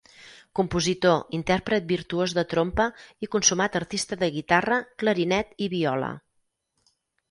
Compositor, intèrpret virtuós de trompa i consumat artista de guitarra, clarinet i viola.